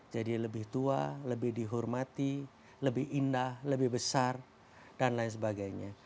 jadi lebih tua lebih dihormati lebih indah lebih besar dan lain sebagainya